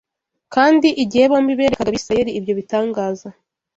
Kandi igihe bombi berekaga Abisirayeli ibyo bitangaza